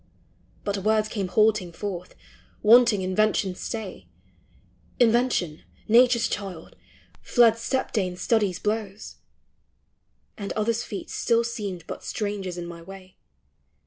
But words came halting forth, wanting Invention's stay; Invention, Nature's child, fled step dame Stud blows ; And others' feet still seemed but strangers in my way.